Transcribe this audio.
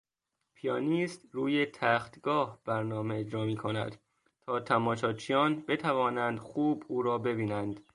پیانیست روی تختگاه برنامه اجرا میکند تا تماشاچیان بتوانند خوب او را ببینند.